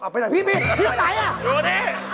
พี่ไหน